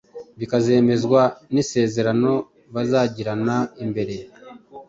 bikazemezwa n'isezerano bazagirana imbere